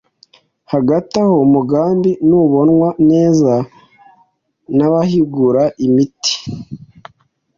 Hagati aho, umugambi ntubonwa neza n'abahingura imiti